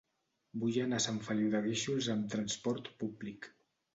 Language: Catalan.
Vull anar a Sant Feliu de Guíxols amb trasport públic.